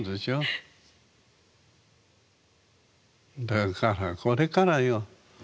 だからこれからよ。